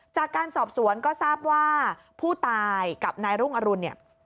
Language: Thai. จากการสอบสวนก็ทราบว่าผู้ตายกับนายรุ่งอรุณเนี่ย